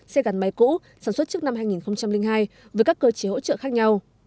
xe gắn máy cũ sản xuất trước năm hai nghìn hai với các cơ chế hỗ trợ khác nhau